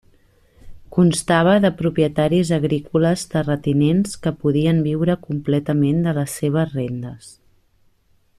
Constava de propietaris agrícoles terratinents que podien viure completament de les seves rendes.